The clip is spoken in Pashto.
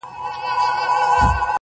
خدایه قربان دي، در واری سم، صدقه دي سمه